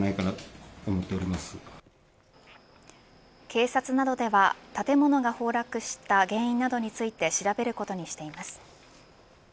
警察などでは、建物が崩落した原因などについて調べることにしています。